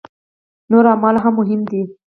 نور اعمال هم مهم دي.